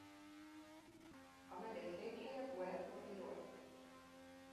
A megye székhelye Puerto Tirol.